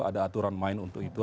ada aturan main untuk itu